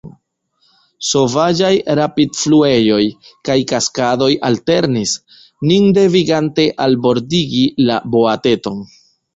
Sovaĝaj rapidfluejoj kaj kaskadoj alternis, nin devigante albordigi la boateton.